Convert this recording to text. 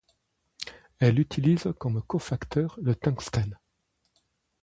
Elle utilise comme cofacteur le tungstène.